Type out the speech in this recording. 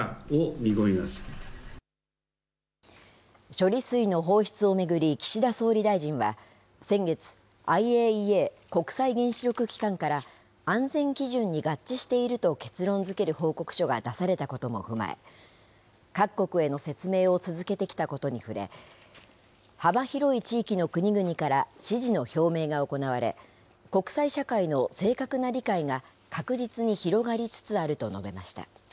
処理水の放出を巡り岸田総理大臣は先月、ＩＡＥＡ・国際原子力機関から、安全基準に合致していると結論づける報告書が出されたことも踏まえ、各国への説明を続けてきたことに触れ、幅広い地域の国々から支持の表明が行われ、国際社会の正確な理解が確実に広がりつつあると述べました。